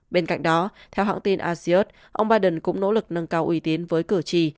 bên cạnh đó theo hãng tin asiat ông biden cũng nỗ lực nâng cao uy tín với cửa trì